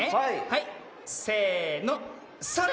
はいせのそれ！